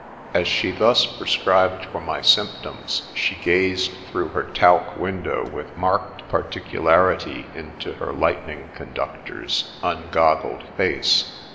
As she thus prescribed for my symptoms, she gazed through her talc window with marked par ticularity into her " Lightning Conductor's " un goggled face.